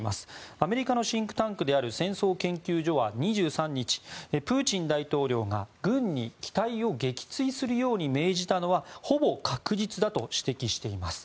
アメリカのシンクタンクである戦争研究所は２３日、プーチン大統領が軍に機体を撃墜するように命じたのはほぼ確実だと指摘しています。